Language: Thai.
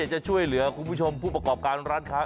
จะช่วยเหลือคุณผู้ชมผู้ประกอบการร้านค้า